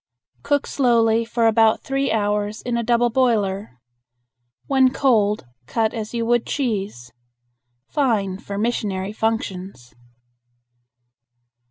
Cook slowly for about three hours in a double boiler. When cold cut as you would cheese. Fine for missionary functions.